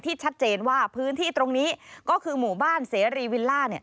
ชัดเจนว่าพื้นที่ตรงนี้ก็คือหมู่บ้านเสรีวิลล่า